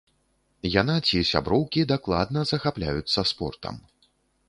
Яна ці сяброўкі дакладна захапляюцца спортам.